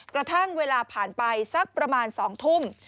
กระทั่งเวลาผ่านไปสักประมาณ๒ทุ่ม